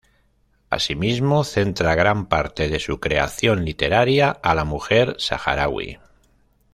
Así mismo, centra gran parte de su creación literaria a la mujer saharaui.